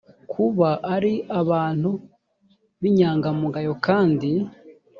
kuba ari abantu b inyangamugayo kandi